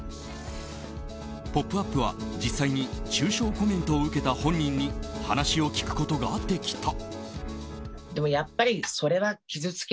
「ポップＵＰ！」は実際に中傷コメントを受けた本人に話を聞くことができた。